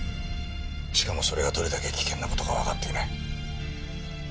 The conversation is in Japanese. しかもそれがどれだけ危険な事かわかっていない。